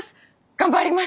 頑張ります！